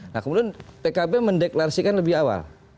nah kemudian pkb mendeklarasikan lebih awal